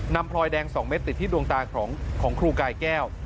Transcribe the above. พลอยแดง๒เม็ดติดที่ดวงตาของครูกายแก้ว